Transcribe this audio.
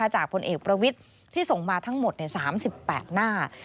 ผลเอกประวิทย์ที่ส่งมาทั้งหมด๓๘หน้า